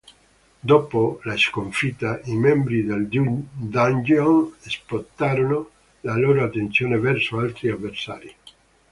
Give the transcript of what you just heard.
Dopo la sconfitta, i membri del Dungeon spostarono la loro attenzione verso altri avversari.